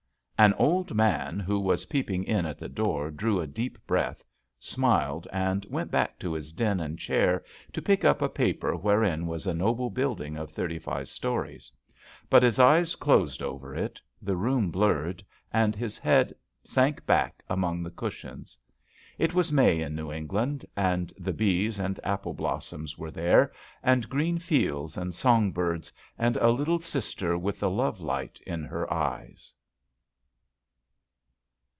An old man who was peeping in at the door drew a deep breath, smiled and went back to his den and chair to pick up a paper wherein was a noble building of thirty five stories. But his eyes closed over it, the room blurred, and his head sank back among the cushions. It was May in New England and the bees and apple blossoms were there, and green fields and the song birds and a little sister with the lovelight in her eyes.